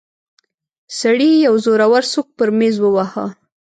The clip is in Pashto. سړي يو زورور سوک پر ميز وواهه.